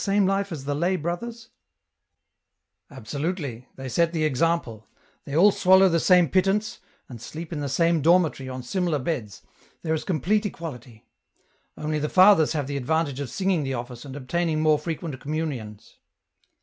199 " Absolutely — they set the example ; they all swallow the same pittance, and sleep in the same dormitory on similar beds ; there is complete equality. Only, the fathers hava the advantage of singing the office and obtaining more frequent communions.'